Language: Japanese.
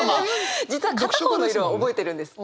実は片方の色は覚えてるんです。